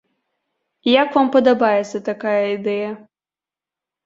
Як вам падабаецца такая ідэя?